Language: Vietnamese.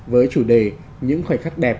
với chủ đề những khoảnh khắc đẹp